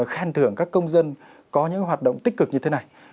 khen thưởng các công dân có những hoạt động tích cực như thế này